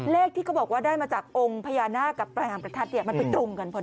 เลขที่เขาบอกว่าได้มาจากองค์พญานาคกับปลายหางประทัดเนี่ยมันไปตรงกันพอดี